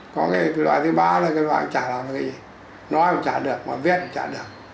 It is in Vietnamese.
có cái loại thứ ba là loại chả làm được cái gì nói cũng chả được mà viết cũng chả được